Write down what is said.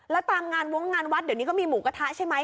แล้วตามงานวงงานวัดเดี๋ยวนี้ก็มีหมูกระทะใช่ไหม